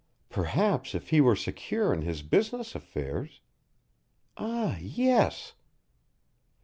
Perhaps if he were secure in his business affairs Ah, yes!